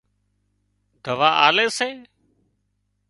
دوا آلي سي